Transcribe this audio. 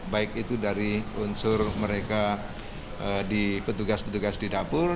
baik itu dari unsur mereka di petugas petugas di dapur